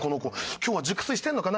今日は熟睡してんのかな。